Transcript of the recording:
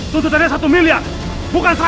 tuntutannya satu miliar bukan